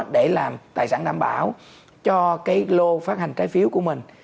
để làm tài sản đảm bảo cho cái lô phát hành trái phiếu của mình